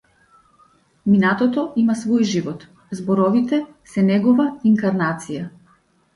Минатото има свој живот, зборовите се негова инкарнација.